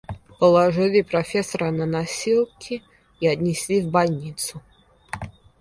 Положили профессора на носилки и отнесли в больницу.